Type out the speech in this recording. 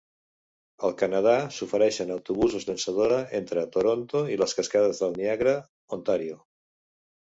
Al Canadà, s'ofereixen "autobusos llançadora" entre Toronto i les cascades del Niàgara, Ontario.